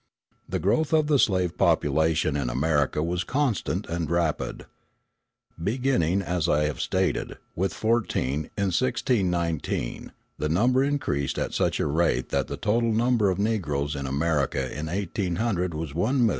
The growth of the slave population in America was constant and rapid. Beginning, as I have stated, with fourteen, in 1619, the number increased at such a rate that the total number of Negroes in America in 1800 was 1,001,463.